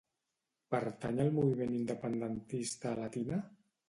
Pertany al moviment independentista la Tina?